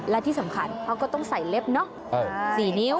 และที่สำคัญเขาก็ต้องใส่เล็บเนอะ๔นิ้ว